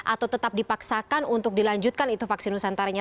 atau tetap dipaksakan untuk dilanjutkan itu vaksin nusantaranya